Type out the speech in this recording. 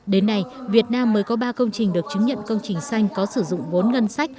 đến nay việt nam mới có ba công trình được chứng nhận công trình xanh có sử dụng vốn ngân sách